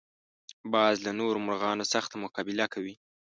باز له نورو مرغانو سخته مقابله کوي